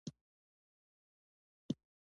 مخ یې زېړېده.